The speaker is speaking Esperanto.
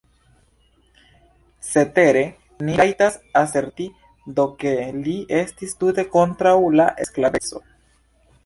Cetere ni rajtas aserti do ke li estis tute kontraŭ la sklaveco.